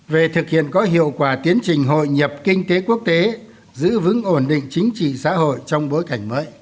về thực hiện có hiệu quả tiến trình hội nhập kinh tế quốc tế giữ vững ổn định chính trị xã hội trong bối cảnh mới